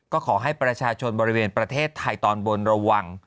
ก็ขอให้ประชาชนบริเวณประเทศไทยตอนบนระวัง